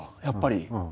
やっぱり。